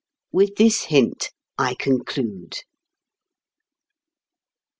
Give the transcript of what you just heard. With this hint I conclude.